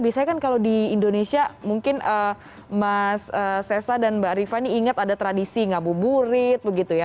biasanya kan kalau di indonesia mungkin mas sesa dan mbak rifa ini ingat ada tradisi ngabuburit begitu ya